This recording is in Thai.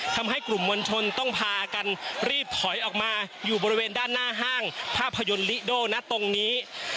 ทำให้กลุ่มมวลชนต้องพากันรีบถอยออกมาอยู่บริเวณด้านหน้าห้างภาพยนตร์ลิโดนะตรงนี้